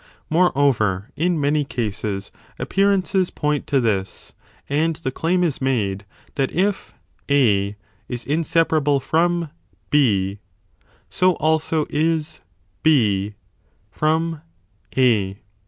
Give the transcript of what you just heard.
Moreover, in many cases appearances point to this and the claim is made that if A is inseparable from S, so also is B from A.